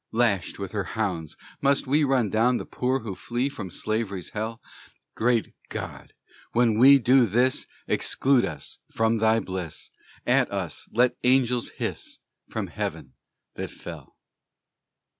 Lashed with her hounds, must we Run down the poor who flee From Slavery's hell? Great God! when we do this Exclude us from thy bliss; At us let angels hiss From heaven that fell!